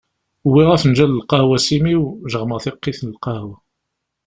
Uwiɣ afenǧal n lqahwa s imi-w, jeɣmeɣ tiqqit n lqahwa.